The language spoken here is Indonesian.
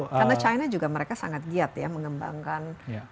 karena china juga mereka sangat giat ya mengembangkan